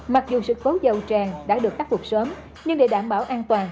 mặc dù sự cố dầu tràn đã được khắc phục sớm nhưng để đảm bảo an toàn